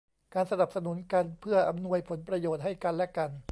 การสนับสนุนกันเพื่ออำนวยผลประโยชน์ให้กันและกัน